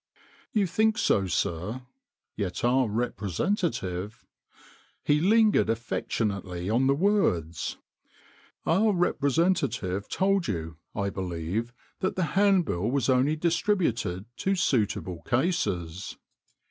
"You think so, sir? Yet our representa tive," he lingered affectionately on the words, "our representative told you, I believe, that the handbill was only distributed to suitable cases."